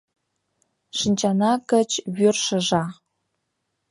— Шинчана гыч вӱр шыжа!